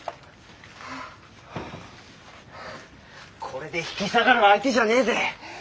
これで引き下がる相手じゃねえぜ。